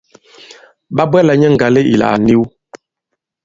Ɓa bwɛla nyɛ ŋgale ìla à niw.